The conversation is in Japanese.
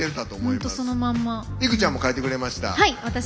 いくちゃんも描いてくれました。